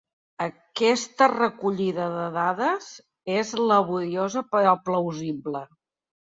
Aquesta recollida de dades és laboriosa però plausible.